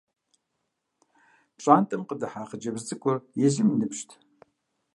ПщIантIэм къыдыхьа хъыджэбз цIыкIур езым и ныбжьынт.